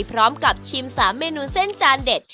พร้อมกับชิม๓เมนูเส้นจานเด็ด